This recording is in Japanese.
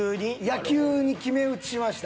野球に決め打ちしました。